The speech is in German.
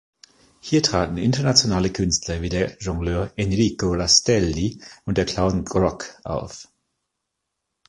Hier traten internationale Künstler wie der Jongleur Enrico Rastelli und der Clown Grock auf.